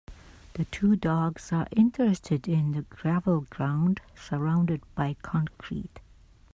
The two dogs are interested in the gravel ground surrounded by concrete.